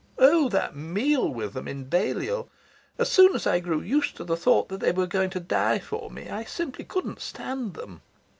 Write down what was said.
Oh, that meal with them in Balliol! As soon as I grew used to the thought that they were going to die for me, I simply couldn't stand them.